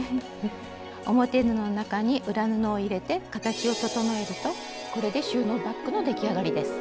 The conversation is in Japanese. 表布の中に裏布を入れて形を整えるとこれで収納バッグの出来上がりです。